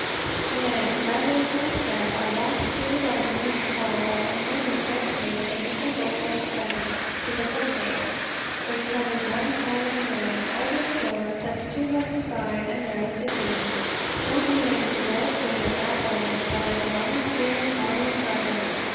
Then, without wasting a step, I walked through the dining room, hall, and women's guest room into Mr. Goforth's study, to the book case (which covers one side of the room), opened the door, slipped two books aside, and there was the key. So near did the Lord seem at that moment that I could almost feel his bodily presence.